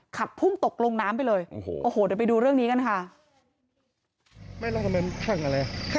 ขับพุ่งตกลงน้ำไปเลยโอ้โหเดี๋ยวไปดูเรื่องนี้กันค่ะ